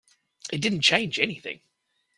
It didn't change anything.